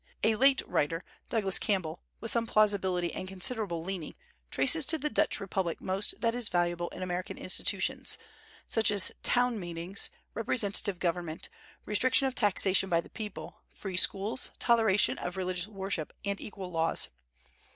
A late writer, Douglas Campbell, with some plausibility and considerable learning, traces to the Dutch republic most that is valuable in American institutions, such as town meetings, representative government, restriction of taxation by the people, free schools, toleration of religious worship, and equal laws.